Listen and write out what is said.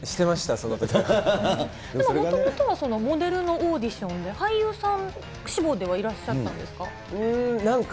もともとはモデルのオーディションで、俳優さん志望ではいらっしゃったんですか？